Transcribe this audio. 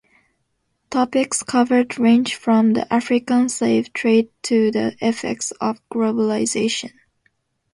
Topics covered range from the African slave trade to the effects of globalization.